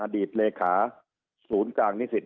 ตเลขาศูนย์กลางนิสิต